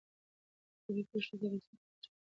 طبیعي پیښو ته د رسیدو لپاره چمتووالی نیول کیږي.